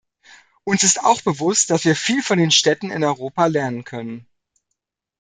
Uns ist auch bewusst, dass wir viel von den Städten in Europa lernen können.